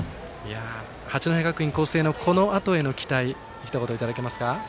八戸学院光星のこのあとへの期待ひと言いただけますか。